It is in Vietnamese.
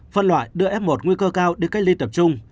phân loại đưa f một nguy cơ cao đi cách ly tập trung